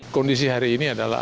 kondisi tersebut tidak terlalu baik